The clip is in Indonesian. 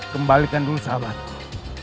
kembalikan dulu sahabatku